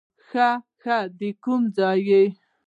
ښه ښه، د کوم ځای یې؟